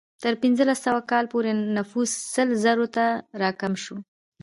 تر پنځلس سوه کال پورې نفوس سل زرو ته راکم شو.